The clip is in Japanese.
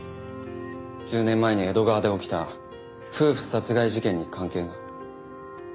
１０年前に江戸川で起きた夫婦殺害事件に関係が？